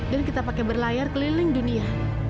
dan kita pakai berlayar keliling dunia